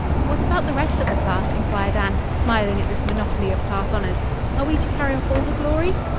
"What about the rest of the class?" inquired Anne, smiling at this monopoly of class honors. "Are we to carry off all the glory!"